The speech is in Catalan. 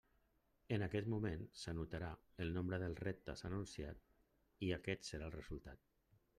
En aquest moment s'anotarà el nombre de rectes anunciat i aquest serà el resultat.